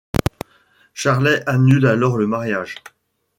Charley annule alors le mariage.